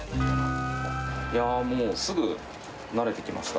いやー、もうすぐ慣れてきました。